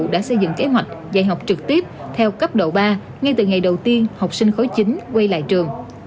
đã xây dựng kế hoạch dạy học trực tiếp theo cấp độ ba ngay từ ngày đầu tiên học sinh khối chính quay lại trường